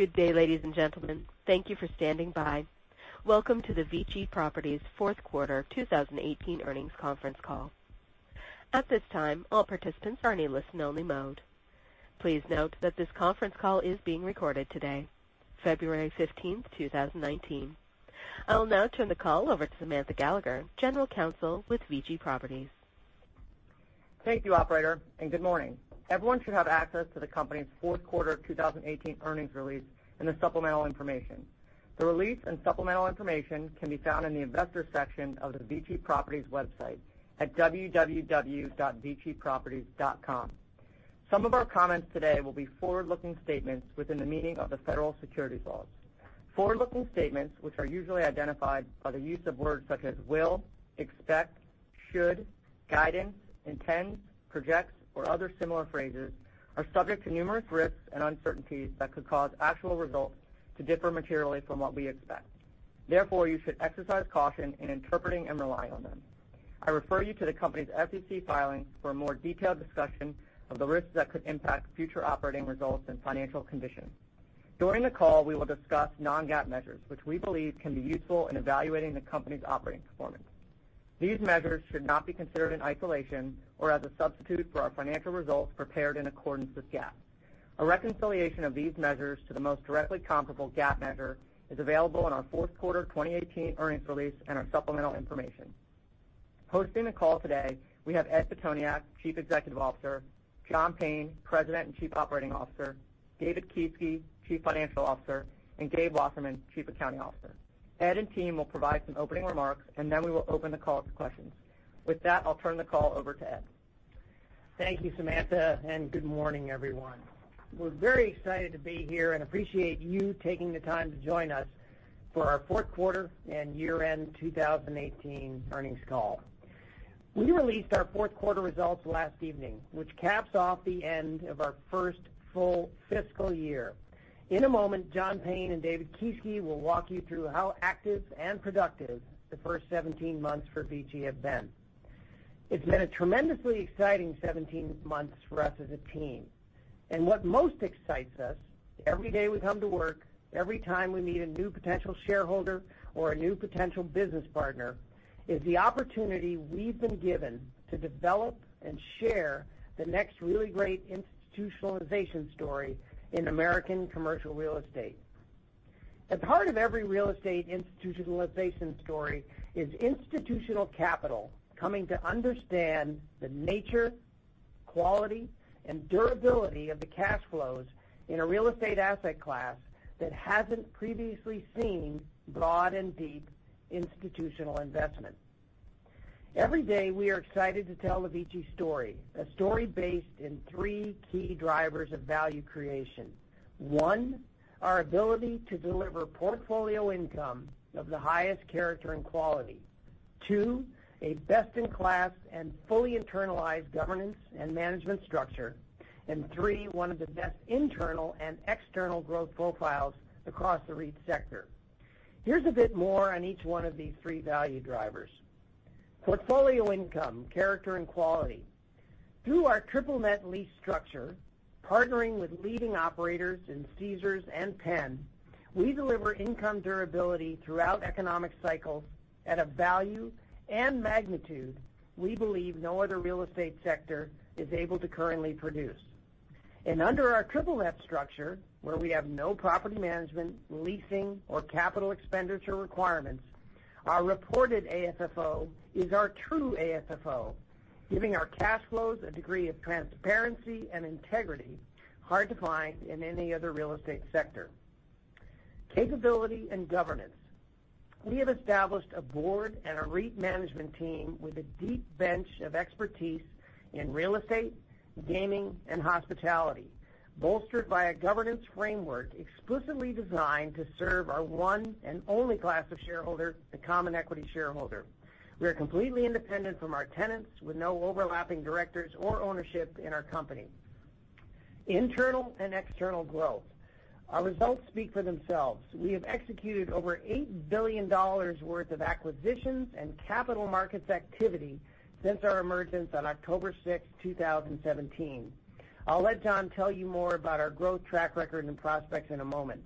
Good day, ladies and gentlemen. Thank you for standing by. Welcome to the VICI Properties fourth quarter 2018 earnings conference call. At this time, all participants are in a listen only mode. Please note that this conference call is being recorded today, February 15th, 2019. I'll now turn the call over to Samantha Gallagher, General Counsel with VICI Properties. Thank you, operator. Good morning. Everyone should have access to the company's fourth quarter 2018 earnings release and the supplemental information. The release and supplemental information can be found in the investors section of the VICI Properties website at www.viciproperties.com. Some of our comments today will be forward-looking statements within the meaning of the federal securities laws. Forward-looking statements, which are usually identified by the use of words such as will, expect, should, guidance, intend, projects, or other similar phrases, are subject to numerous risks and uncertainties that could cause actual results to differ materially from what we expect. Therefore, you should exercise caution in interpreting and relying on them. I refer you to the company's SEC filings for a more detailed discussion of the risks that could impact future operating results and financial conditions. During the call, we will discuss non-GAAP measures, which we believe can be useful in evaluating the company's operating performance. These measures should not be considered in isolation or as a substitute for our financial results prepared in accordance with GAAP. A reconciliation of these measures to the most directly comparable GAAP measure is available on our fourth quarter 2018 earnings release and our supplemental information. Hosting the call today, we have Ed Pitoniak, Chief Executive Officer, John Payne, President and Chief Operating Officer, David Kieske, Chief Financial Officer, and Gabriel Wasserman, Chief Accounting Officer. Ed and team will provide some opening remarks. Then we will open the call up to questions. With that, I'll turn the call over to Ed. Thank you, Samantha. Good morning, everyone. We're very excited to be here and appreciate you taking the time to join us for our fourth quarter and year-end 2018 earnings call. We released our fourth quarter results last evening, which caps off the end of our first full fiscal year. In a moment, John Payne and David Kieske will walk you through how active and productive the first 17 months for VICI have been. It's been a tremendously exciting 17 months for us as a team. What most excites us every day we come to work, every time we meet a new potential shareholder or a new potential business partner, is the opportunity we've been given to develop and share the next really great institutionalization story in American commercial real estate. At the heart of every real estate institutionalization story is institutional capital coming to understand the nature, quality, and durability of the cash flows in a real estate asset class that hasn't previously seen broad and deep institutional investment. Every day, we are excited to tell the VICI story, a story based in three key drivers of value creation. One, our ability to deliver portfolio income of the highest character and quality. Two, a best-in-class and fully internalized governance and management structure. Three, one of the best internal and external growth profiles across the REIT sector. Here's a bit more on each one of these three value drivers. Portfolio income, character, and quality. Through our triple net lease structure, partnering with leading operators in Caesars and Penn, we deliver income durability throughout economic cycles at a value and magnitude we believe no other real estate sector is able to currently produce. Under our triple net lease structure, where we have no property management, leasing, or capital expenditure requirements, our reported AFFO is our true AFFO, giving our cash flows a degree of transparency and integrity hard to find in any other real estate sector. Capability and governance. We have established a board and a REIT management team with a deep bench of expertise in real estate, gaming, and hospitality, bolstered by a governance framework explicitly designed to serve our one and only class of shareholder, the common equity shareholder. We are completely independent from our tenants with no overlapping directors or ownership in our company. Internal and external growth. Our results speak for themselves. We have executed over $8 billion worth of acquisitions and capital markets activity since our emergence on October 6, 2017. I'll let John tell you more about our growth track record and prospects in a moment.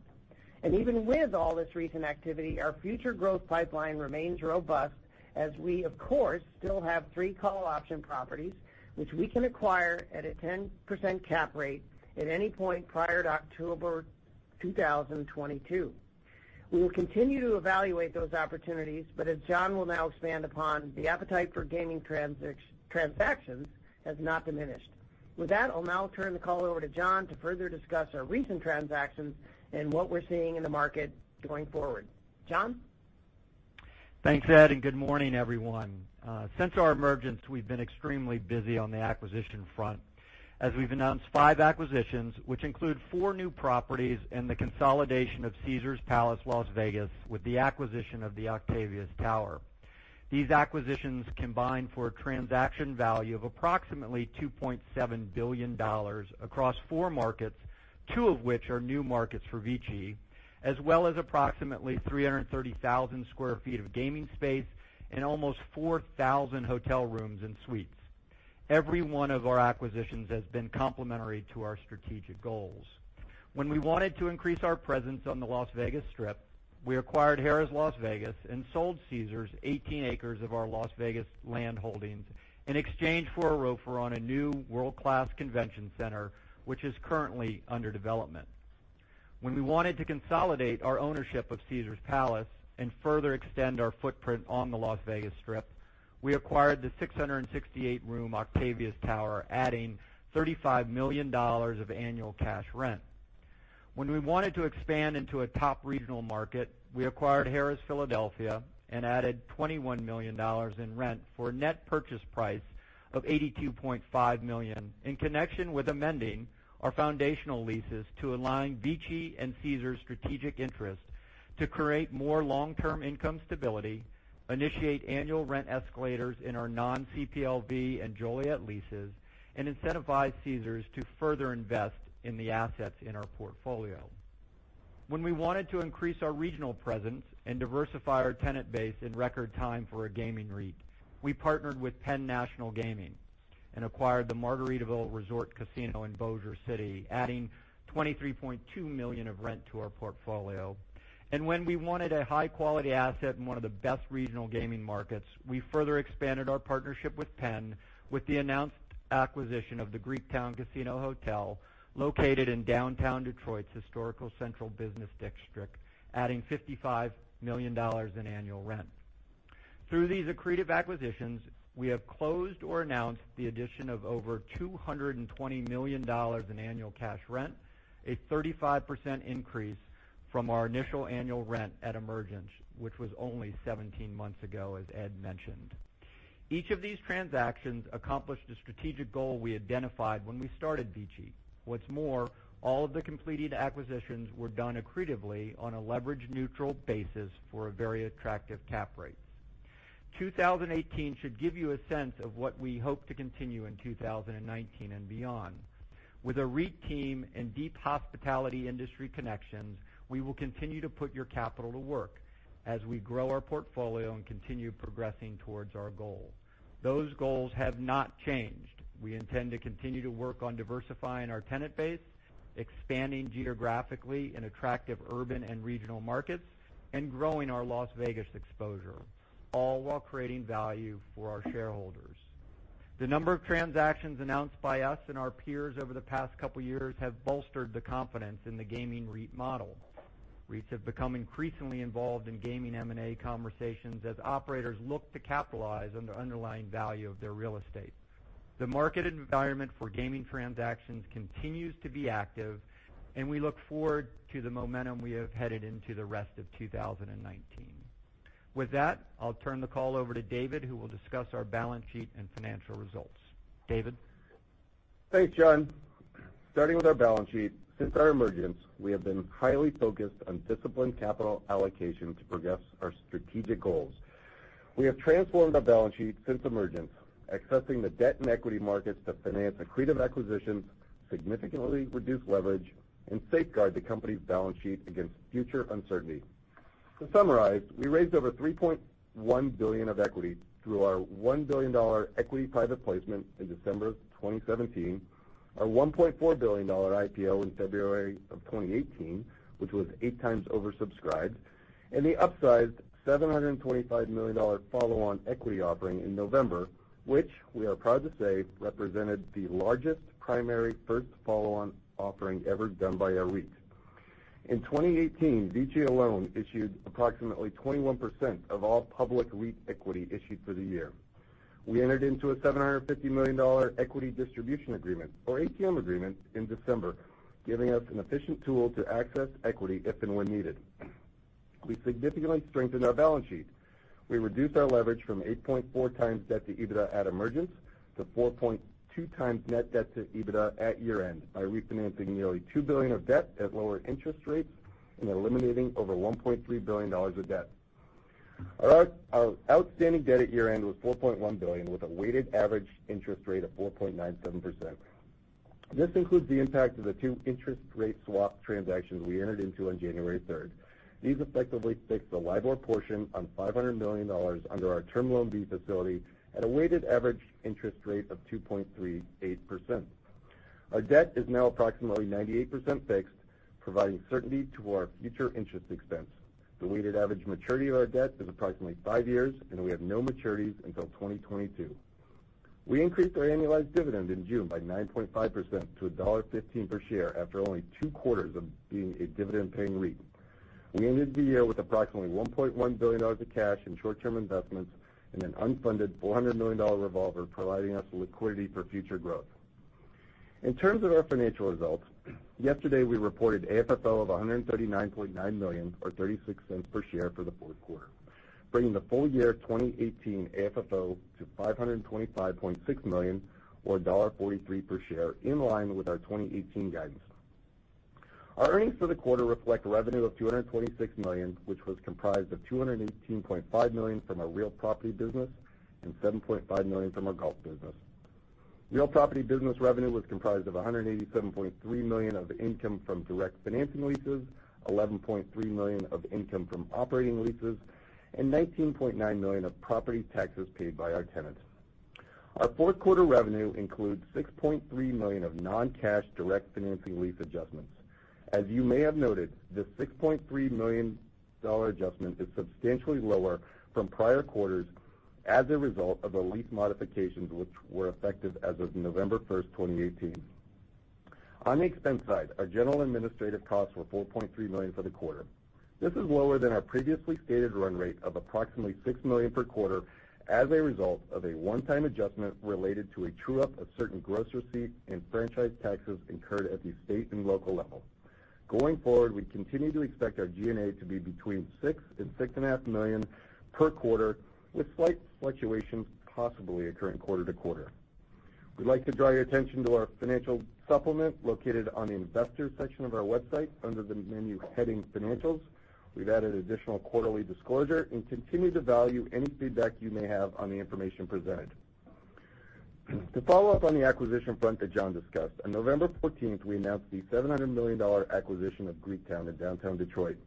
Even with all this recent activity, our future growth pipeline remains robust as we, of course, still have three call option properties which we can acquire at a 10% cap rate at any point prior to October 2022. We will continue to evaluate those opportunities, as John will now expand upon, the appetite for gaming transactions has not diminished. With that, I'll now turn the call over to John to further discuss our recent transactions and what we're seeing in the market going forward. John? Thanks, Ed. Good morning, everyone. Since our emergence, we've been extremely busy on the acquisition front as we've announced five acquisitions, which include four new properties and the consolidation of Caesars Palace, Las Vegas, with the acquisition of the Octavius Tower. These acquisitions combine for a transaction value of approximately $2.7 billion across four markets, two of which are new markets for VICI, as well as approximately 330,000 sq ft of gaming space and almost 4,000 hotel rooms and suites. Every one of our acquisitions has been complementary to our strategic goals. When we wanted to increase our presence on the Las Vegas Strip, we acquired Harrah's Las Vegas and sold Caesars 18 acres of our Las Vegas land holdings in exchange for a ROFO on a new world-class convention center, which is currently under development. When we wanted to consolidate our ownership of Caesars Palace and further extend our footprint on the Las Vegas Strip, we acquired the 668-room Octavius Tower, adding $35 million of annual cash rent. When we wanted to expand into a top regional market, we acquired Harrah's Philadelphia and added $21 million in rent for a net purchase price of $82.5 million, in connection with amending our foundational leases to align VICI and Caesars' strategic interests to create more long-term income stability, initiate annual rent escalators in our non-CPLV and Joliet leases, and incentivize Caesars to further invest in the assets in our portfolio. When we wanted to increase our regional presence and diversify our tenant base in record time for a gaming REIT, we partnered with Penn National Gaming and acquired the Margaritaville Resort Casino in Bossier City, adding $23.2 million of rent to our portfolio. When we wanted a high-quality asset in one of the best regional gaming markets, we further expanded our partnership with Penn with the announced acquisition of the Greektown Casino-Hotel located in downtown Detroit's historical central business district, adding $55 million in annual rent. Through these accretive acquisitions, we have closed or announced the addition of over $220 million in annual cash rent, a 35% increase from our initial annual rent at emergence, which was only 17 months ago, as Ed mentioned. Each of these transactions accomplished a strategic goal we identified when we started VICI. What's more, all of the completed acquisitions were done accretively on a leverage-neutral basis for very attractive cap rates. 2018 should give you a sense of what we hope to continue in 2019 and beyond. With a REIT team and deep hospitality industry connections, we will continue to put your capital to work as we grow our portfolio and continue progressing towards our goal. Those goals have not changed. We intend to continue to work on diversifying our tenant base, expanding geographically in attractive urban and regional markets, and growing our Las Vegas exposure, all while creating value for our shareholders. The number of transactions announced by us and our peers over the past couple of years have bolstered the confidence in the gaming REIT model. REITs have become increasingly involved in gaming M&A conversations as operators look to capitalize on the underlying value of their real estate. The market environment for gaming transactions continues to be active, we look forward to the momentum we have headed into the rest of 2019. With that, I'll turn the call over to David, who will discuss our balance sheet and financial results. David? Thanks, John. Starting with our balance sheet, since our emergence, we have been highly focused on disciplined capital allocation to progress our strategic goals. We have transformed our balance sheet since emergence, accessing the debt and equity markets to finance accretive acquisitions, significantly reduce leverage, and safeguard the company's balance sheet against future uncertainty. To summarize, we raised over $3.1 billion of equity through our $1 billion equity private placement in December of 2017, our $1.4 billion IPO in February of 2018, which was 8 times oversubscribed, and the upsized $725 million follow-on equity offering in November, which we are proud to say represented the largest primary first follow-on offering ever done by a REIT. In 2018, VICI alone issued approximately 21% of all public REIT equity issued for the year. We entered into a $750 million equity distribution agreement or ATM agreement in December, giving us an efficient tool to access equity if and when needed. We significantly strengthened our balance sheet. We reduced our leverage from 8.4x debt to EBITDA at emergence to 4.2x net debt to EBITDA at year-end by refinancing nearly $2 billion of debt at lower interest rates and eliminating over $1.3 billion of debt. Our outstanding debt at year-end was $4.1 billion, with a weighted average interest rate of 4.97%. This includes the impact of the two interest rate swap transactions we entered into on January 3rd. These effectively fixed the LIBOR portion on $500 million under our Term Loan B facility at a weighted average interest rate of 2.38%. Our debt is now approximately 98% fixed, providing certainty to our future interest expense. The weighted average maturity of our debt is approximately five years, and we have no maturities until 2022. We increased our annualized dividend in June by 9.5% to $1.15 per share after only two quarters of being a dividend-paying REIT. We ended the year with approximately $1.1 billion of cash and short-term investments and an unfunded $400 million revolver, providing us liquidity for future growth. In terms of our financial results, yesterday, we reported AFFO of $139.9 million or $0.36 per share for the fourth quarter, bringing the full year 2018 AFFO to $525.6 million or $1.43 per share in line with our 2018 guidance. Our earnings for the quarter reflect revenue of $226 million, which was comprised of $218.5 million from our real property business and $7.5 million from our golf business. Real property business revenue was comprised of $187.3 million of income from direct financing leases, $11.3 million of income from operating leases, and $19.9 million of property taxes paid by our tenants. Our fourth quarter revenue includes $6.3 million of non-cash direct financing lease adjustments. As you may have noted, this $6.3 million adjustment is substantially lower from prior quarters as a result of the lease modifications, which were effective as of November 1st, 2018. On the expense side, our general administrative costs were $4.3 million for the quarter. This is lower than our previously stated run rate of approximately $6 million per quarter as a result of a one-time adjustment related to a true-up of certain gross receipts and franchise taxes incurred at the state and local level. Going forward, we continue to expect our G&A to be between $6 million and $6.5 million per quarter, with slight fluctuations possibly occurring quarter-to-quarter. We'd like to draw your attention to our financial supplement located on the Investors section of our website, under the menu heading Financials. To follow up on the acquisition front that John discussed, on November 14th, we announced the $700 million acquisition of Greektown in downtown Detroit.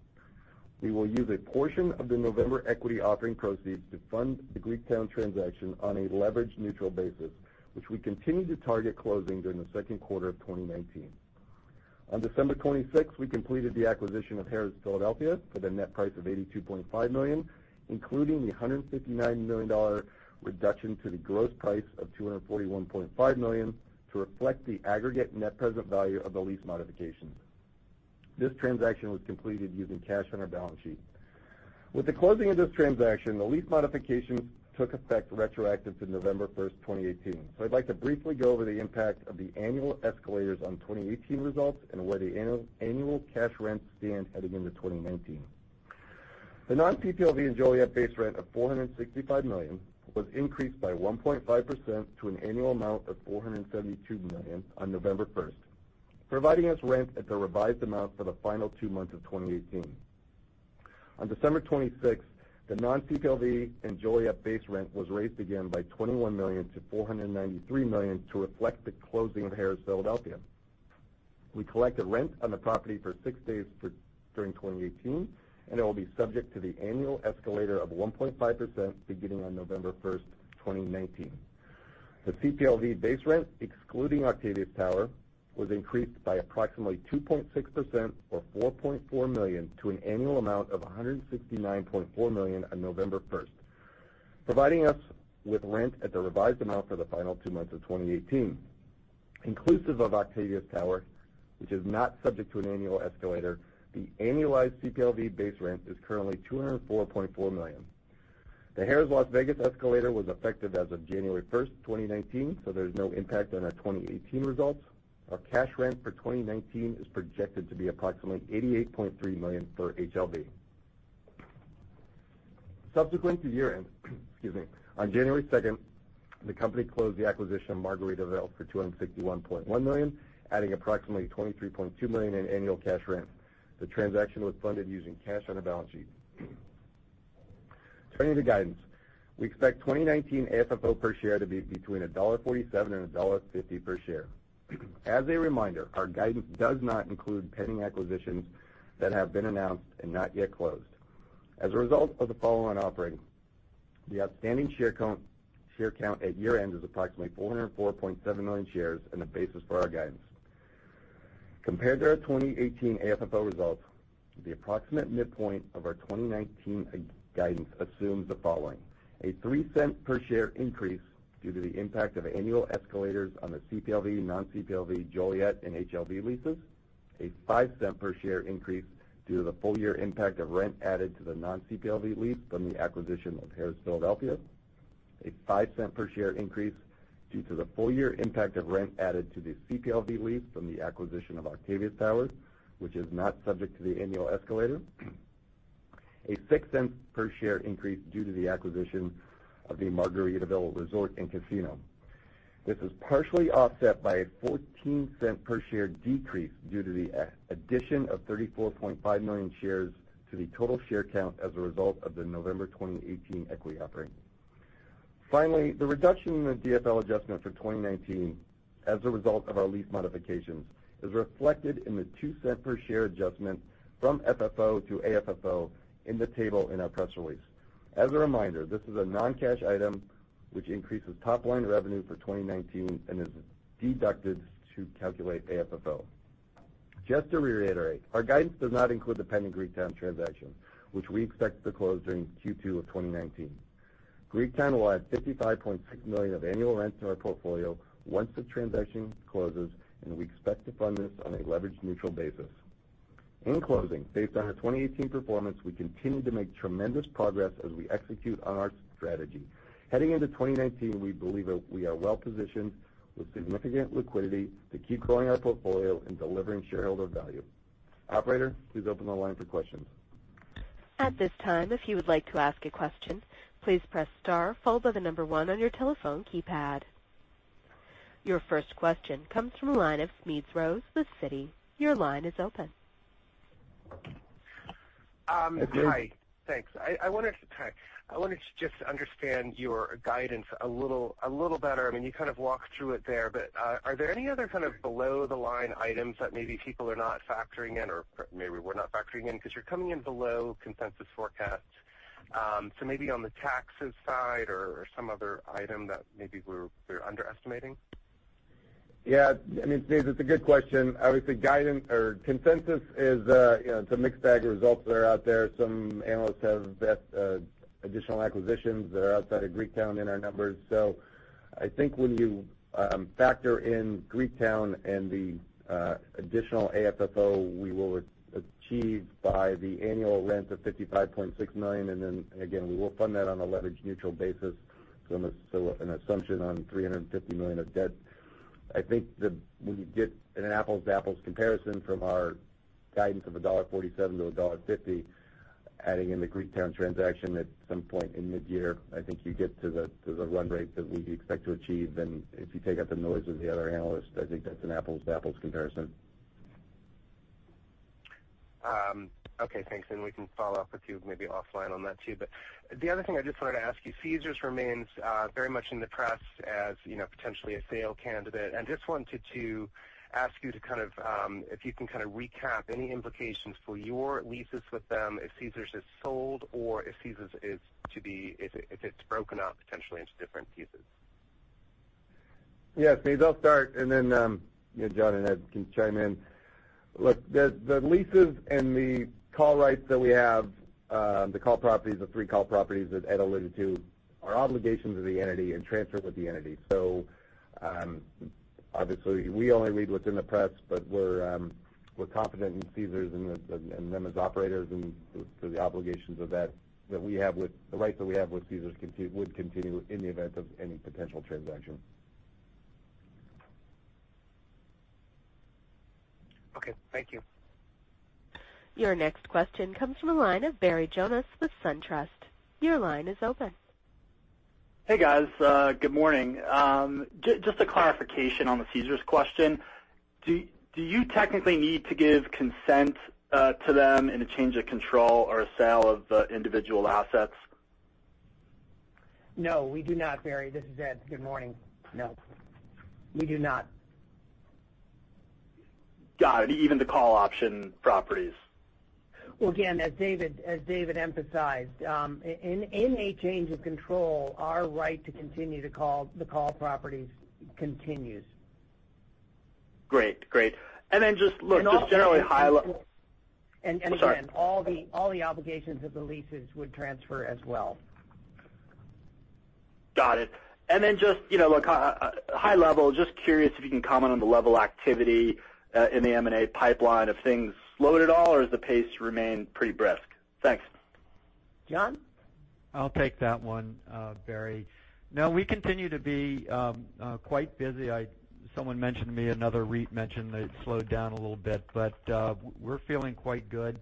We will use a portion of the November equity offering proceeds to fund the Greektown transaction on a leverage-neutral basis, which we continue to target closing during the second quarter of 2019. On December 26th, we completed the acquisition of Harrah's Philadelphia for the net price of $82.5 million, including the $159 million reduction to the gross price of $241.5 million to reflect the aggregate net present value of the lease modifications. This transaction was completed using cash on our balance sheet. With the closing of this transaction, the lease modifications took effect retroactive to November 1st, 2018. I'd like to briefly go over the impact of the annual escalators on 2018 results and where the annual cash rents stand heading into 2019. The non-CPLV and Joliet base rent of $465 million was increased by 1.5% to an annual amount of $472 million on November 1st, providing us rent at the revised amount for the final two months of 2018. On December 26th, the non-CPLV and Joliet base rent was raised again by $21 million to $493 million to reflect the closing of Harrah's Philadelphia. We collected rent on the property for six days during 2018, and it will be subject to the annual escalator of 1.5% beginning on November 1st, 2019. The CPLV base rent, excluding Octavius Tower, was increased by approximately 2.6%, or $4.4 million to an annual amount of $169.4 million on November 1st, providing us with rent at the revised amount for the final two months of 2018. Inclusive of Octavius Tower, which is not subject to an annual escalator, the annualized CPLV base rent is currently $204.4 million. The Harrah's Las Vegas escalator was effective as of January 1st, 2019. There's no impact on our 2018 results. Our cash rent for 2019 is projected to be approximately $88.3 million per HLV. Subsequent to year-end, on January 2nd, the company closed the acquisition of Margaritaville for $261.1 million, adding approximately $23.2 million in annual cash rent. The transaction was funded using cash on the balance sheet. Turning to guidance, we expect 2019 AFFO per share to be between $1.47 and $1.50 per share. As a reminder, our guidance does not include pending acquisitions that have been announced and not yet closed. As a result of the follow-on offering, the outstanding share count at year-end is approximately 404.7 million shares and the basis for our guidance. Compared to our 2018 AFFO results, the approximate midpoint of our 2019 guidance assumes the following: A $0.03 per share increase due to the impact of annual escalators on the CPLV, non-CPLV, Joliet, and HLV leases. A $0.05 per share increase due to the full-year impact of rent added to the non-CPLV lease from the acquisition of Harrah's Philadelphia. A $0.05 per share increase due to the full-year impact of rent added to the CPLV lease from the acquisition of Octavius Tower, which is not subject to the annual escalator. A $0.06 per share increase due to the acquisition of the Margaritaville Resort & Casino. This is partially offset by a $0.14 per share decrease due to the addition of 34.5 million shares to the total share count as a result of the November 2018 equity offering. Finally, the reduction in the DFL adjustment for 2019 as a result of our lease modifications is reflected in the $0.02 per share adjustment from FFO to AFFO in the table in our press release. As a reminder, this is a non-cash item which increases top-line revenue for 2019 and is deducted to calculate AFFO. Just to reiterate, our guidance does not include the pending Greektown transaction, which we expect to close during Q2 of 2019. Greektown will add $55.6 million of annual rents in our portfolio once the transaction closes, and we expect to fund this on a leverage-neutral basis. In closing, based on our 2018 performance, we continue to make tremendous progress as we execute on our strategy. Heading into 2019, we believe we are well-positioned with significant liquidity to keep growing our portfolio and delivering shareholder value. Operator, please open the line for questions. At this time, if you would like to ask a question, please press star followed by the number 1 on your telephone keypad. Your first question comes from the line of Smedes Rose with Citi. Your line is open. Smedes Hi. Thanks. I wanted to just understand your guidance a little better. You kind of walked through it there, but are there any other kind of below-the-line items that maybe people are not factoring in, or maybe we're not factoring in, because you're coming in below consensus forecasts. Maybe on the taxes side or some other item that maybe we're underestimating? Yeah. It's a good question. Obviously, consensus is, it's a mixed bag of results that are out there. Some analysts have additional acquisitions that are outside of Greektown in our numbers. I think when you factor in Greektown and the additional AFFO we will achieve by the annual rent of $55.6 million, and then again, we will fund that on a leverage-neutral basis, so an assumption on $350 million of debt. I think that when you get an apples to apples comparison from our guidance of $1.47-$1.50, adding in the Greektown transaction at some point in mid-year, I think you get to the run rate that we expect to achieve. If you take out the noise of the other analysts, I think that's an apples to apples comparison. Okay, thanks. We can follow up with you maybe offline on that too. The other thing I just wanted to ask you, Caesars remains very much in the press as potentially a sale candidate. Just wanted to ask you if you can kind of recap any implications for your leases with them if Caesars is sold or if Caesars is broken up potentially into different pieces. Yes, maybe I'll start and then John and Ed can chime in. Look, the leases and the call rights that we have, the call properties, the 3 call properties that Ed alluded to, are obligations of the entity and transfer with the entity. Obviously, we only read what's in the press, but we're confident in Caesars and them as operators and to the obligations of that, the rights that we have with Caesars would continue in the event of any potential transaction. Okay. Thank you. Your next question comes from the line of Barry Jonas with SunTrust. Your line is open. Hey, guys. Good morning. Just a clarification on the Caesars question. Do you technically need to give consent to them in a change of control or a sale of individual assets? No, we do not, Barry. This is Ed. Good morning. No. We do not. Got it. Even the call option properties. Well, again, as David emphasized, in a change of control, our right to continue the call properties continues. Great. And again- I'm sorry. All the obligations of the leases would transfer as well. Got it. Just high level, just curious if you can comment on the level activity in the M&A pipeline. Have things slowed at all or does the pace remain pretty brisk? Thanks. John? I'll take that one, Barry. No, we continue to be quite busy. Someone mentioned to me, another REIT mentioned that it slowed down a little bit, but we're feeling quite good.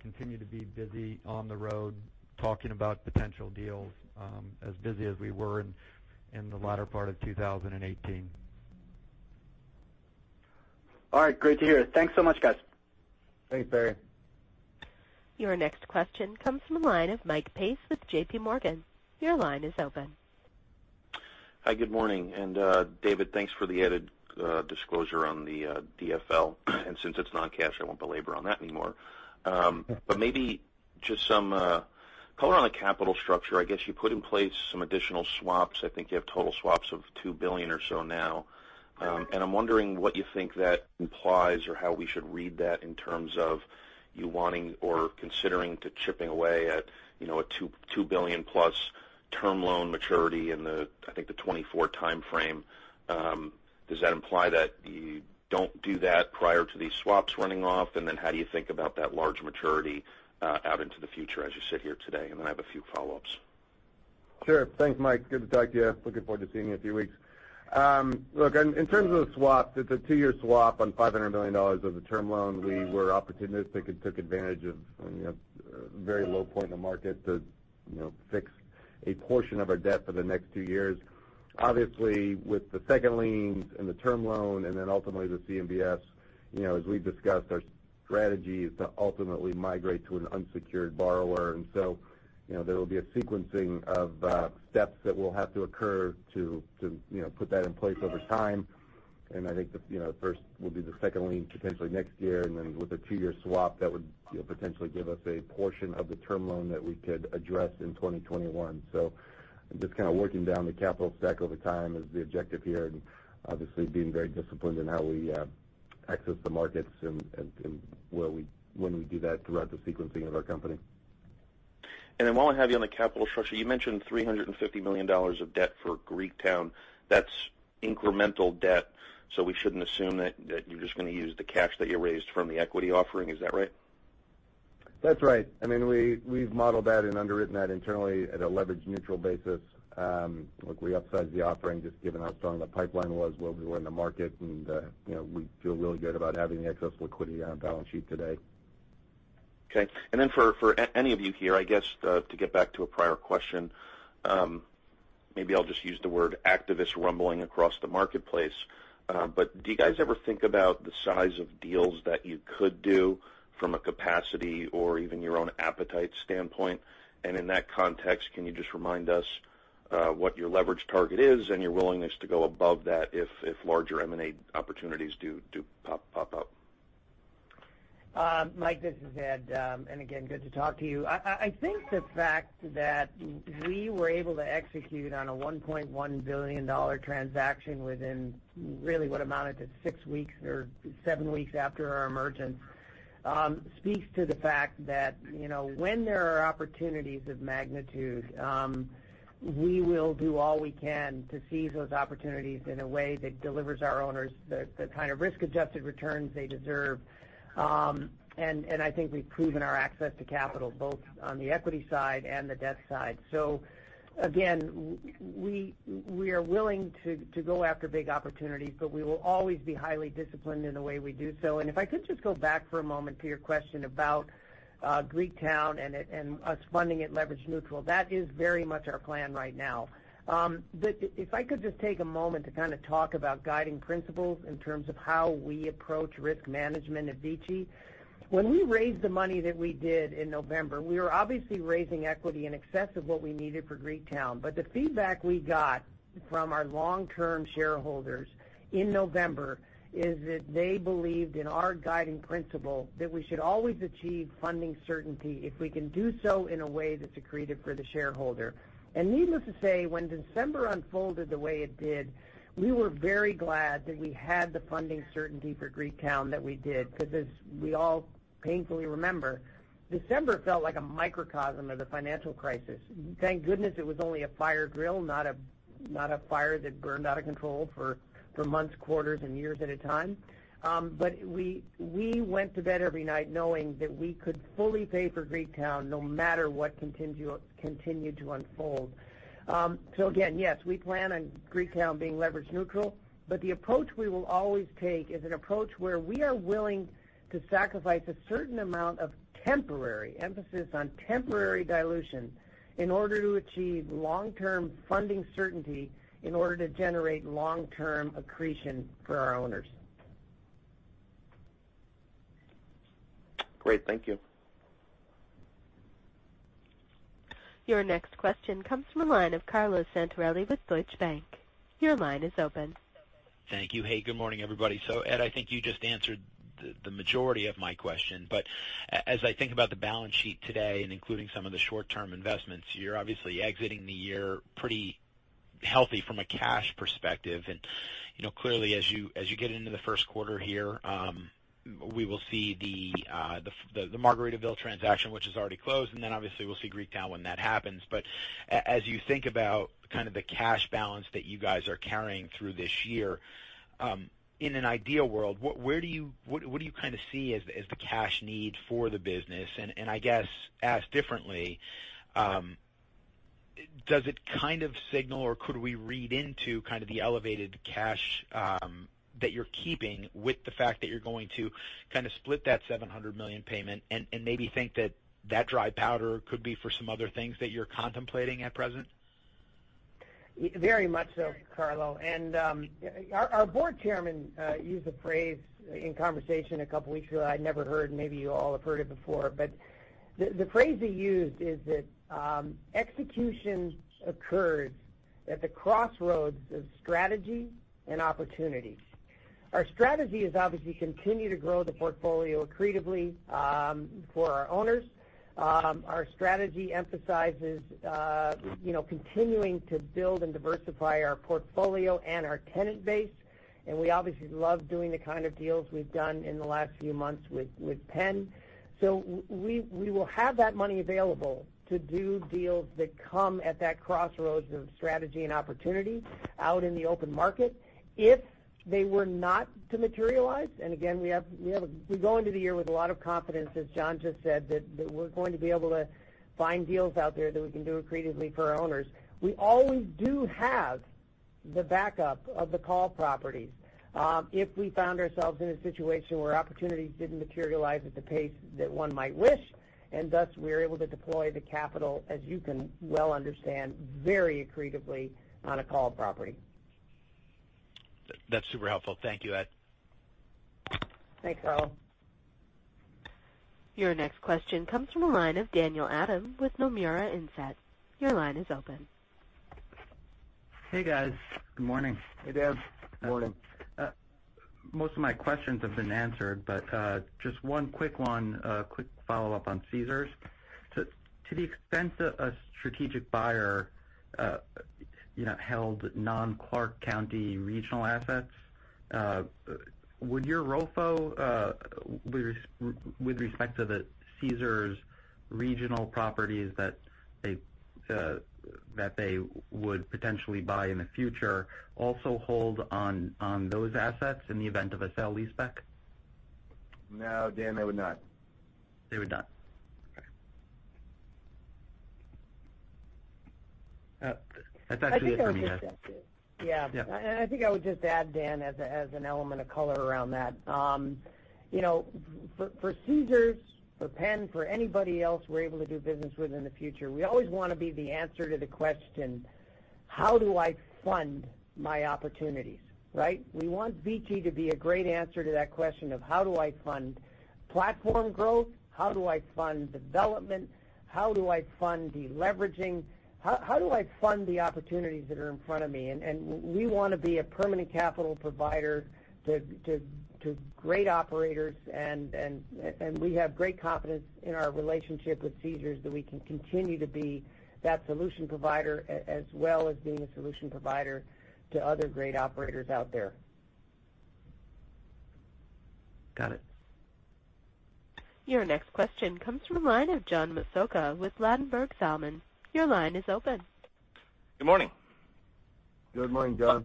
Continue to be busy on the road, talking about potential deals, as busy as we were in the latter part of 2018. All right. Great to hear. Thanks so much, guys. Thanks, Barry. Your next question comes from the line of Michael Pace with JPMorgan. Your line is open. Hi, good morning. David, thanks for the added disclosure on the DFL. Since it's non-cash, I won't belabor on that anymore. Maybe just some color on the capital structure. I guess you put in place some additional swaps. I think you have total swaps of $2 billion or so now. I'm wondering what you think that implies or how we should read that in terms of you wanting or considering to chipping away at a $2 billion-plus term loan maturity in, I think, the 2024 timeframe. Does that imply that you don't do that prior to these swaps running off? How do you think about that large maturity out into the future as you sit here today? I have a few follow-ups. Sure. Thanks, Mike. Good to talk to you. Looking forward to seeing you in a few weeks. Look, in terms of the swap, it's a two-year swap on $500 million of the term loan. We were opportunistic and took advantage of a very low point in the market to fix a portion of our debt for the next two years. Obviously, with the second liens and the term loan, and then ultimately the CMBS, as we've discussed, our strategy is to ultimately migrate to an unsecured borrower. There will be a sequencing of steps that will have to occur to put that in place over time, and I think the first will be the second lien potentially next year, and then with a two-year swap, that would potentially give us a portion of the term loan that we could address in 2021. Just kind of working down the capital stack over time is the objective here, and obviously being very disciplined in how we access the markets and when we do that throughout the sequencing of our company. While I have you on the capital structure, you mentioned $350 million of debt for Greektown. That's incremental debt, so we shouldn't assume that you're just going to use the cash that you raised from the equity offering, is that right? That's right. We've modeled that and underwritten that internally at a leverage-neutral basis. Look, we upsized the offering just given how strong the pipeline was where we were in the market, and we feel really good about having the excess liquidity on our balance sheet today. Okay. To get back to a prior question, maybe I'll just use the word activist rumbling across the marketplace. Do you guys ever think about the size of deals that you could do from a capacity or even your own appetite standpoint? In that context, can you just remind us what your leverage target is and your willingness to go above that if larger M&A opportunities do pop up? Mike, this is Ed. Again, good to talk to you. I think the fact that we were able to execute on a $1.1 billion transaction within really what amounted to six weeks or seven weeks after our emergence, speaks to the fact that when there are opportunities of magnitude, we will do all we can to seize those opportunities in a way that delivers our owners the kind of risk-adjusted returns they deserve. I think we've proven our access to capital, both on the equity side and the debt side. Again, we are willing to go after big opportunities, but we will always be highly disciplined in the way we do so. If I could just go back for a moment to your question about Greektown and us funding it leverage neutral. That is very much our plan right now. If I could just take a moment to talk about guiding principles in terms of how we approach risk management at VICI. When we raised the money that we did in November, we were obviously raising equity in excess of what we needed for Greektown. The feedback we got from our long-term shareholders in November is that they believed in our guiding principle that we should always achieve funding certainty if we can do so in a way that's accretive for the shareholder. Needless to say, when December unfolded the way it did, we were very glad that we had the funding certainty for Greektown that we did, because as we all painfully remember, December felt like a microcosm of the financial crisis. Thank goodness it was only a fire drill, not a fire that burned out of control for months, quarters, and years at a time. We went to bed every night knowing that we could fully pay for Greektown no matter what continued to unfold. Again, yes, we plan on Greektown being leverage neutral, but the approach we will always take is an approach where we are willing to sacrifice a certain amount of temporary, emphasis on temporary dilution in order to achieve long-term funding certainty in order to generate long-term accretion for our owners. Great. Thank you. Your next question comes from the line of Carlo Santarelli with Deutsche Bank. Your line is open. Thank you. Hey, good morning, everybody. Ed, I think you just answered the majority of my question. As I think about the balance sheet today and including some of the short-term investments, you're obviously exiting the year pretty healthy from a cash perspective. Clearly as you get into the first quarter here, we will see the Margaritaville transaction, which is already closed, and then obviously we'll see Greektown when that happens. As you think about the cash balance that you guys are carrying through this year, in an ideal world, what do you see as the cash need for the business? I guess, asked differently, does it kind of signal or could we read into the elevated cash that you're keeping with the fact that you're going to split that $700 million payment and maybe think that that dry powder could be for some other things that you're contemplating at present? Very much so, Carlo. Our board chairman used a phrase in conversation a couple of weeks ago that I'd never heard, maybe you all have heard it before. The phrase he used is that execution occurs at the crossroads of strategy and opportunity. Our strategy is obviously continue to grow the portfolio accretively for our owners. Our strategy emphasizes continuing to build and diversify our portfolio and our tenant base, and we obviously love doing the kind of deals we've done in the last few months with Penn. We will have that money available to do deals that come at that crossroads of strategy and opportunity out in the open market. If they were not to materialize, again, we go into the year with a lot of confidence, as John just said, that we're going to be able to find deals out there that we can do accretively for our owners. We always do have the backup of the call properties. If we found ourselves in a situation where opportunities didn't materialize at the pace that one might wish, and thus we're able to deploy the capital, as you can well understand, very accretively on a call property. That's super helpful. Thank you, Ed. Thanks, Carlo. Your next question comes from the line of Daniel Adam with Nomura Instinet. Your line is open. Hey, guys. Good morning. Hey, Dan. Morning. Most of my questions have been answered, but just one quick one, a quick follow-up on Caesars. To the extent a strategic buyer held non-Clark County regional assets, would your ROFO with respect to the Caesars regional properties that they would potentially buy in the future also hold on those assets in the event of a sale leaseback? No, Dan, they would not. They would not. Okay. That's actually it for me, guys. I think I can take that, too. Yeah. I think I would just add, Dan, as an element of color around that. For Caesars, for Penn, for anybody else we're able to do business with in the future, we always want to be the answer to the question, How do I fund my opportunities, right? We want VICI to be a great answer to that question of how do I fund platform growth, how do I fund development, how do I fund deleveraging? How do I fund the opportunities that are in front of me? We want to be a permanent capital provider to great operators and we have great confidence in our relationship with Caesars that we can continue to be that solution provider as well as being a solution provider to other great operators out there. Got it. Your next question comes from the line of John Massocca with Ladenburg Thalmann. Your line is open. Good morning. Good morning, John.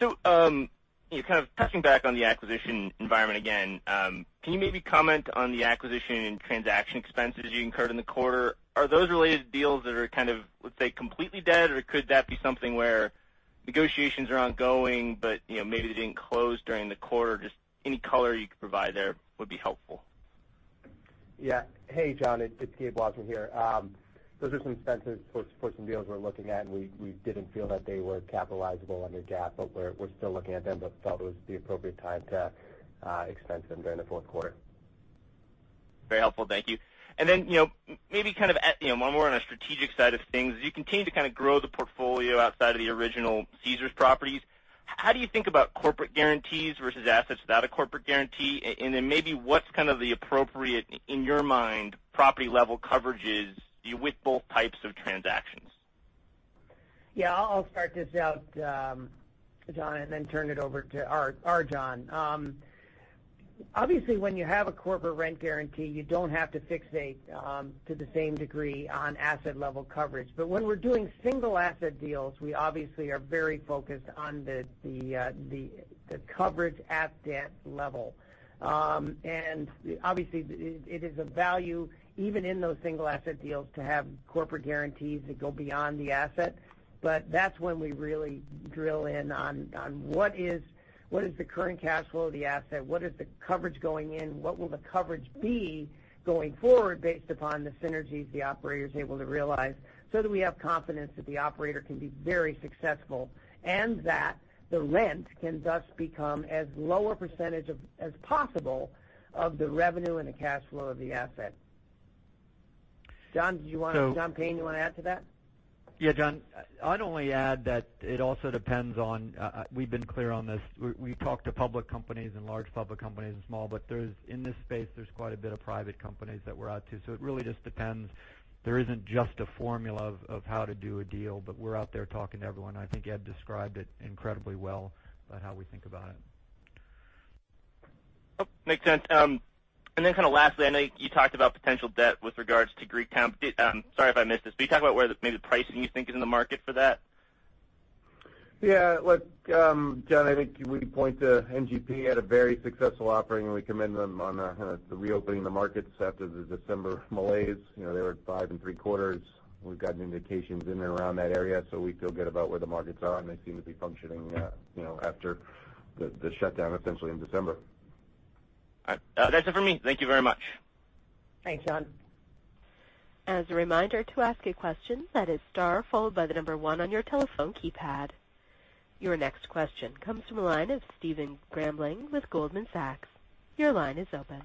Touching back on the acquisition environment again, can you maybe comment on the acquisition and transaction expenses you incurred in the quarter? Are those related to deals that are, let's say, completely dead, or could that be something where negotiations are ongoing, but maybe they didn't close during the quarter? Just any color you could provide there would be helpful. Yeah. Hey, John, it's Gabe Wasserman here. Those are some expenses for some deals we're looking at, and we didn't feel that they were capitalizable under GAAP, but we're still looking at them, but felt it was the appropriate time to expense them during the fourth quarter. Very helpful. Thank you. Maybe kind of, when we're on a strategic side of things, as you continue to kind of grow the portfolio outside of the original Caesars properties, how do you think about corporate guarantees versus assets without a corporate guarantee? Then maybe what's kind of the appropriate, in your mind, property-level coverages with both types of transactions? Yeah, I'll start this out, John, then turn it over to our John. Obviously, when you have a corporate rent guarantee, you don't have to fixate to the same degree on asset-level coverage. When we're doing single-asset deals, we obviously are very focused on the coverage at that level. Obviously, it is of value even in those single-asset deals to have corporate guarantees that go beyond the asset. That's when we really drill in on what is the current cash flow of the asset, what is the coverage going in, what will the coverage be going forward based upon the synergies the operator's able to realize, so that we have confidence that the operator can be very successful, and that the rent can thus become as low a percentage as possible of the revenue and the cash flow of the asset. John Payne, do you want to add to that? Yeah, John, I'd only add that it also depends on, we've been clear on this, we talk to public companies and large public companies and small, but in this space, there's quite a bit of private companies that we're out to, so it really just depends. There isn't just a formula of how to do a deal, but we're out there talking to everyone. I think Ed described it incredibly well about how we think about it. Makes sense. Then kind of lastly, I know you talked about potential debt with regards to Greektown. Sorry if I missed this, but you talk about where maybe the pricing you think is in the market for that? Yeah, look, John, I think we point to MGP had a very successful offering, and we commend them on the reopening of the markets after the December malaise. They were at five and three quarters. We've gotten indications in and around that area, so we feel good about where the markets are, and they seem to be functioning after the shutdown, essentially, in December. All right. That's it for me. Thank you very much. Thanks, John. As a reminder, to ask a question, that is star followed by the number one on your telephone keypad. Your next question comes from the line of Stephen Grambling with Goldman Sachs. Your line is open.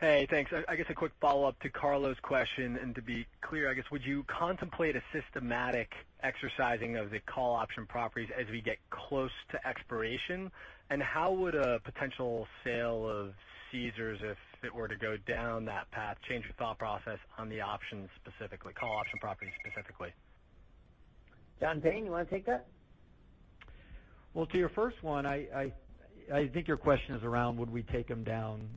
Hey, thanks. I guess a quick follow-up to Carlo's question. To be clear, I guess, would you contemplate a systematic exercising of the call option properties as we get close to expiration? How would a potential sale of Caesars, if it were to go down that path, change your thought process on the options specifically, call option properties specifically? John Payne, you want to take that? To your first one, I think your question is around would we take them down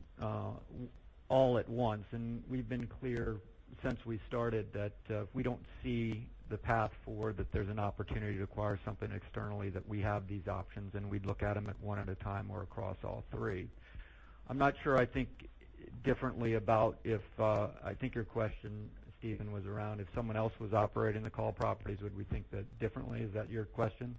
all at once, and we've been clear since we started that if we don't see the path forward, that there's an opportunity to acquire something externally, that we have these options, and we'd look at them at one at a time or across all three. I'm not sure, I think differently about I think your question, Stephen, was around if someone else was operating the call properties, would we think that differently? Is that your question?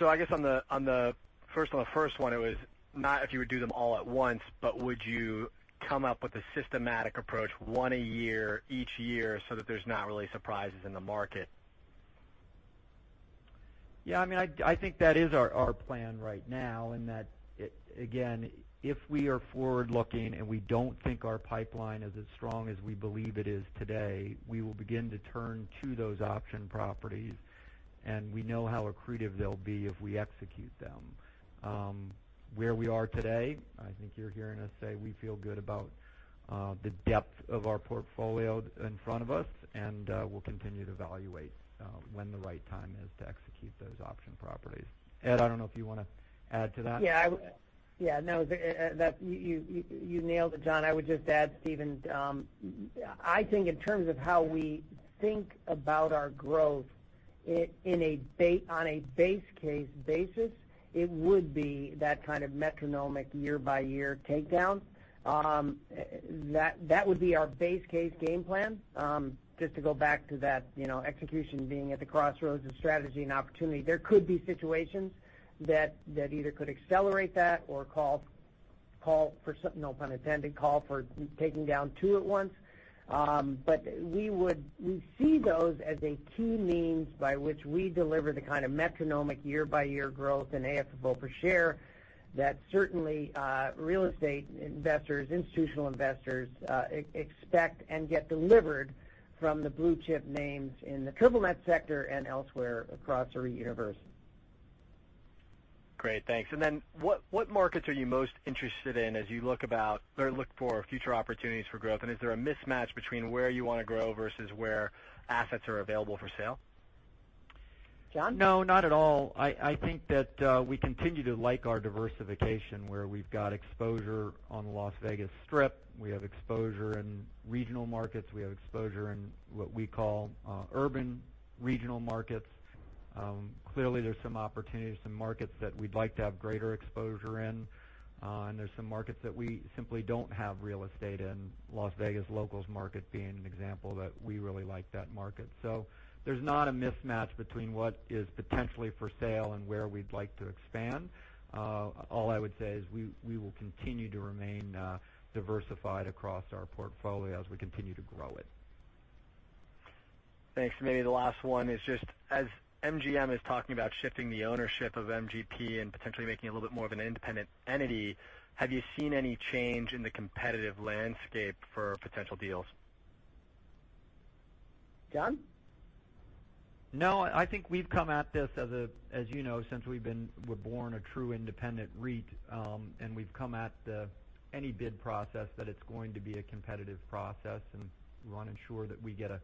I guess on the first one, it was not if you would do them all at once, but would you come up with a systematic approach, one a year, each year, so that there's not really surprises in the market? I think that is our plan right now in that, again, if we are forward-looking and we don't think our pipeline is as strong as we believe it is today, we will begin to turn to those option properties, and we know how accretive they'll be if we execute them. Where we are today, I think you're hearing us say we feel good about the depth of our portfolio in front of us, and we'll continue to evaluate when the right time is to execute those option properties. Ed, I don't know if you want to add to that? Yeah, you nailed it, John. I would just add, Stephen, I think in terms of how we think about our growth on a base case basis, it would be that kind of metronomic year-by-year takedown. That would be our base case game plan. Just to go back to that execution being at the crossroads of strategy and opportunity. There could be situations that either could accelerate that or call for something, no pun intended, call for taking down two at once. We see those as a key means by which we deliver the kind of metronomic year-by-year growth in AFFO per share that certainly real estate investors, institutional investors, expect and get delivered from the blue-chip names in the triple net sector and elsewhere across the REIT universe. Great. Thanks. Then what markets are you most interested in as you look for future opportunities for growth? Is there a mismatch between where you want to grow versus where assets are available for sale? John? No, not at all. I think that we continue to like our diversification, where we've got exposure on the Las Vegas Strip, we have exposure in regional markets, we have exposure in what we call urban regional markets. Clearly, there's some opportunities, some markets that we'd like to have greater exposure in. There's some markets that we simply don't have real estate in, Las Vegas locals market being an example that we really like that market. There's not a mismatch between what is potentially for sale and where we'd like to expand. All I would say is we will continue to remain diversified across our portfolio as we continue to grow it. Thanks. Maybe the last one is just as MGM is talking about shifting the ownership of MGP and potentially making it a little bit more of an independent entity, have you seen any change in the competitive landscape for potential deals? John? No, I think we've come at this, as you know, since we've been born a true independent REIT, and we've come at any bid process that it's going to be a competitive process, and we want to ensure that we get a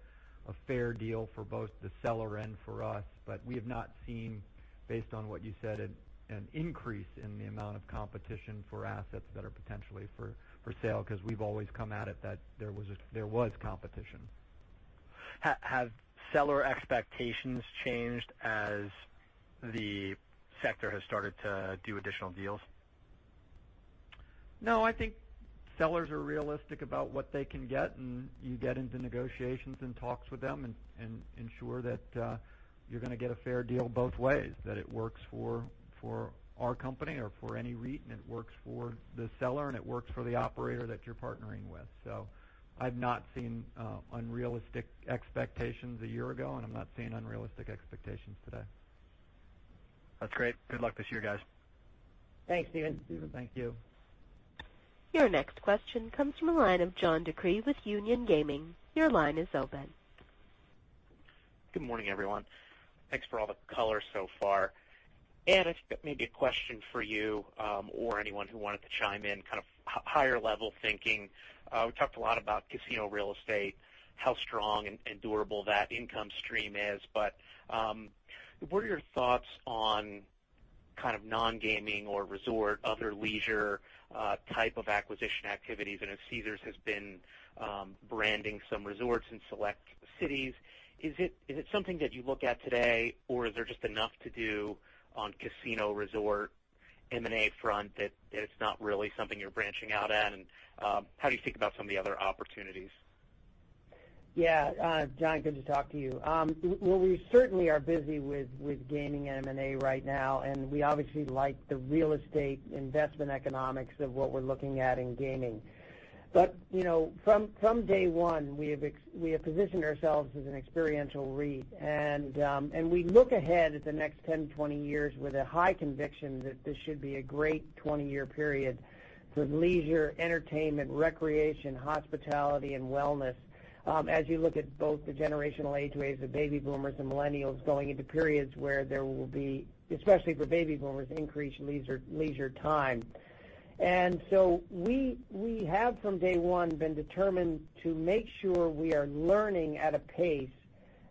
fair deal for both the seller and for us. We have not seen, based on what you said, an increase in the amount of competition for assets that are potentially for sale, because we've always come at it that there was competition. Have seller expectations changed as the sector has started to do additional deals? No, I think sellers are realistic about what they can get, and you get into negotiations and talks with them and ensure that you're going to get a fair deal both ways. That it works for our company or for any REIT, and it works for the seller, and it works for the operator that you're partnering with. I've not seen unrealistic expectations a year ago, and I'm not seeing unrealistic expectations today. That's great. Good luck this year, guys. Thanks, Stephen. Thank you. Your next question comes from the line of John DeCree with Union Gaming. Your line is open. Good morning, everyone. Thanks for all the color so far. Ed, I think maybe a question for you or anyone who wanted to chime in, kind of higher-level thinking. We talked a lot about casino real estate, how strong and durable that income stream is. What are your thoughts on kind of non-gaming or resort, other leisure type of acquisition activities? As Caesars has been branding some resorts in select cities, is it something that you look at today, or is there just enough to do on casino resort M&A front that it's not really something you're branching out at? How do you think about some of the other opportunities? Yeah. John, good to talk to you. We certainly are busy with gaming M&A right now, we obviously like the real estate investment economics of what we're looking at in gaming. From day one, we have positioned ourselves as an experiential REIT. We look ahead at the next 10, 20 years with a high conviction that this should be a great 20-year period for leisure, entertainment, recreation, hospitality, and wellness, as you look at both the generational age waves of baby boomers and millennials going into periods where there will be, especially for baby boomers, increased leisure time. We have, from day one, been determined to make sure we are learning at a pace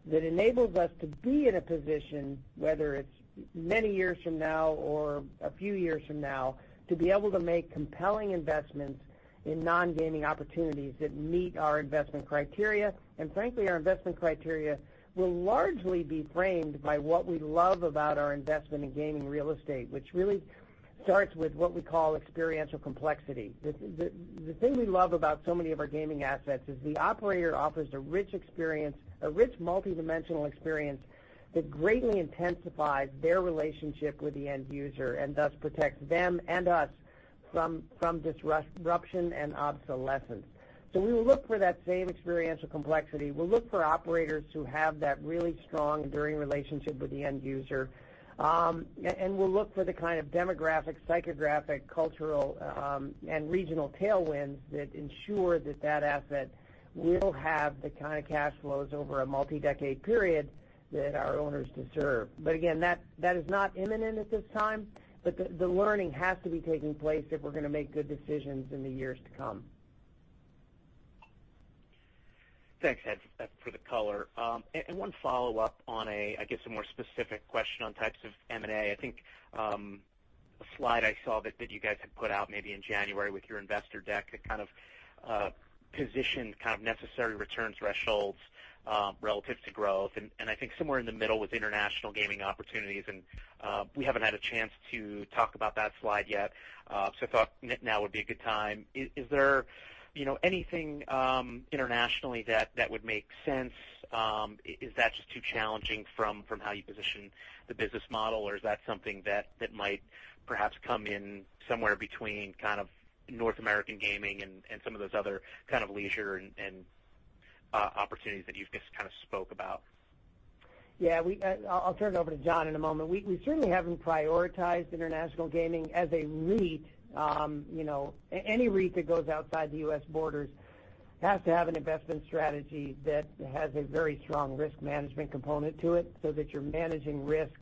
that enables us to be in a position, whether it's many years from now or a few years from now, to be able to make compelling investments in non-gaming opportunities that meet our investment criteria. Frankly, our investment criteria will largely be framed by what we love about our investment in gaming real estate, which really starts with what we call experiential complexity. The thing we love about so many of our gaming assets is the operator offers a rich, multidimensional experience that greatly intensifies their relationship with the end user and thus protects them and us from disruption and obsolescence. We will look for that same experiential complexity. We'll look for operators who have that really strong, enduring relationship with the end user. We'll look for the kind of demographic, psychographic, cultural, and regional tailwinds that ensure that that asset will have the kind of cash flows over a multi-decade period that our owners deserve. Again, that is not imminent at this time. The learning has to be taking place if we're going to make good decisions in the years to come. Thanks, Ed, for the color. One follow-up on a, I guess, a more specific question on types of M&A. I think a slide I saw that you guys had put out maybe in January with your investor deck that kind of positioned necessary return thresholds relative to growth. I think somewhere in the middle was international gaming opportunities, and we haven't had a chance to talk about that slide yet. I thought now would be a good time. Is there anything internationally that would make sense? Is that just too challenging from how you position the business model, or is that something that might perhaps come in somewhere between North American gaming and some of those other kind of leisure and opportunities that you've just spoke about? Yeah. I'll turn it over to John in a moment. We certainly haven't prioritized international gaming as a REIT. Any REIT that goes outside the U.S. borders has to have an investment strategy that has a very strong risk management component to it, so that you're managing risk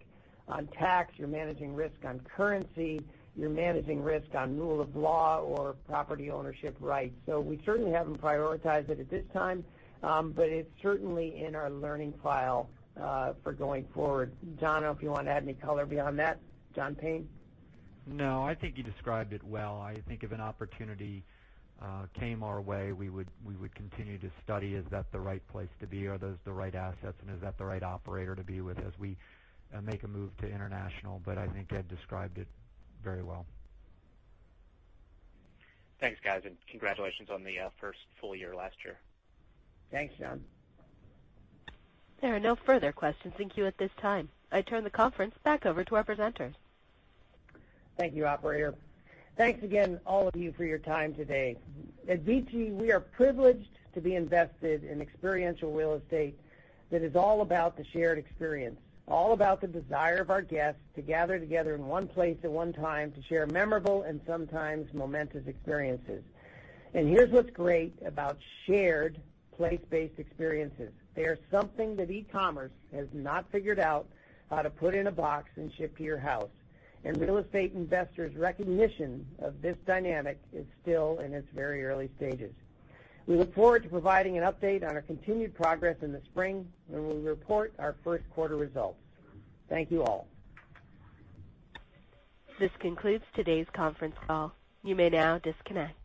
on tax, you're managing risk on currency, you're managing risk on rule of law or property ownership rights. We certainly haven't prioritized it at this time, but it's certainly in our learning file for going forward. John, I don't know if you want to add any color beyond that. John Payne? No, I think you described it well. I think if an opportunity came our way, we would continue to study, is that the right place to be, are those the right assets, and is that the right operator to be with as we make a move to international. I think Ed described it very well. Thanks, guys, congratulations on the first full year last year. Thanks, John. There are no further questions in queue at this time. I turn the conference back over to our presenters. Thank you, operator. Thanks again, all of you, for your time today. At VICI, we are privileged to be invested in experiential real estate that is all about the shared experience, all about the desire of our guests to gather together in one place at one time to share memorable and sometimes momentous experiences. Here's what's great about shared place-based experiences. They are something that e-commerce has not figured out how to put in a box and ship to your house. Real estate investors' recognition of this dynamic is still in its very early stages. We look forward to providing an update on our continued progress in the spring, when we report our first quarter results. Thank you all. This concludes today's conference call. You may now disconnect.